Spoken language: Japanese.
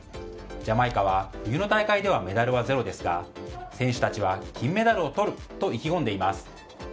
ジャマイカは冬の大会ではメダルはゼロですが選手たちは金メダルをとると意気込んでいます。